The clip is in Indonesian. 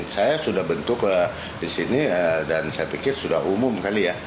saya sudah bentuk di sini dan saya pikir sudah umum kali ya